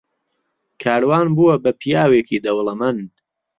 کاروان بووە بە پیاوێکی دەوڵەمەند.